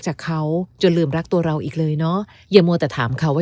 จากเขาจนลืมรักตัวเราอีกเลยเนาะอย่ามัวแต่ถามเขาว่า